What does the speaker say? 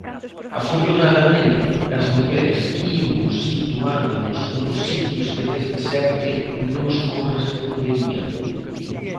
Afortunadamente, as mulleres imos situándonos nos sitios que desde sempre nos corresponderían.